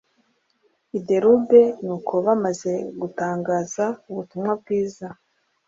i Derube Nuko bamaze gutangaza ubutumwa bwiza